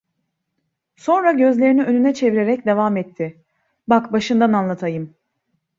Sonra gözlerini önüne çevirerek devam etti: "Bak başından anlatayım…"